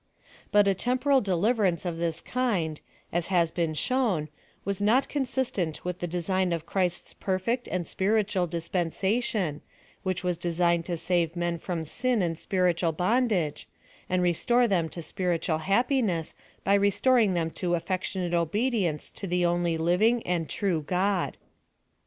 But a temporal deliverance of this kind, as lias been shown, was not consistent with thedesifrn of Ciirist's perfect and spiritual dispensation, whicli was de signed to save men from sin and spiritual bondage, and restore them to spiritnal happiness by restoring them to affectionate obedience to the only living and true God.